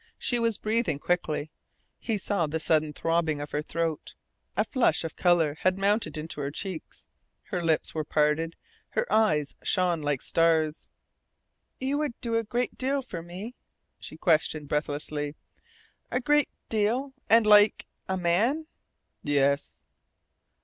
She was breathing quickly. He saw the sudden throbbing of her throat. A flush of colour had mounted into her cheeks. Her lips were parted, her eyes shone like stars. "You would do a great deal for me?" she questioned breathlessly. "A great deal and like A MAN?" "Yes."